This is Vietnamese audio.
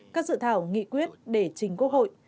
các dự thảo nghị quyết để chính quốc hội